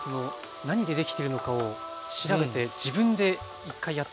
何でできているのかを調べて自分で一回やってみるっていう。